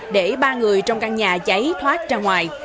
để ba người trong căn nhà cháy thoát ra ngoài